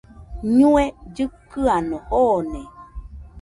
ñue llɨkɨano joone